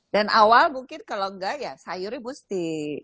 dan awal mungkin kalau tidak ya sayurnya mesti